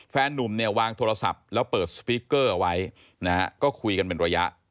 แฟนนุ่มวางโทรศัพท์แล้วเปิดสปีกเกอร์เอาไว้ก็คุยกันเป็นระยะ